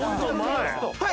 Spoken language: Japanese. はい！